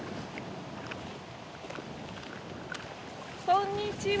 こんにちは。